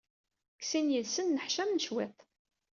Deg sin yid-sen nneḥcamen cwiṭ.